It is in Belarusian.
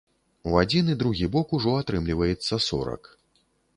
У адзін і другі бок ужо атрымліваецца сорак.